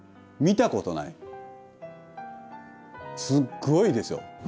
すっごいですよ。